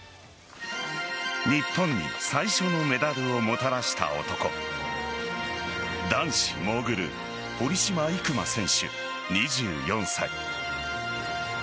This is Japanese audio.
日本に最初のメダルをもたらした男男子モーグル堀島行真選手、２４歳。